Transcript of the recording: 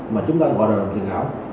mà chúng ta gọi là đồng tiền ảo